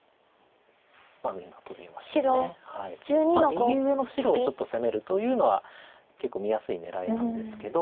右上の白をちょっと攻めるというのは結構見やすい狙いなんですけど。